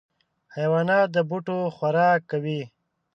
حیوانات د بوټو خوراک کوي.